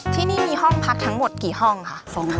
ที่นี่มีห้องพักทั้งหมดกี่ห้องค่ะ